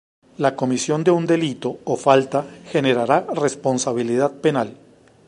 La comisión de un delito o falta generará responsabilidad penal.